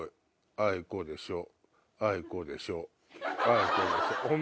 あいこでしょあいこで。